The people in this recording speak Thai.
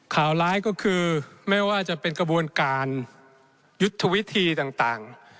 ข่าวร้ายก็คือไม่ว่าจะเป็นกระบวนการยุทธวิธีต่าง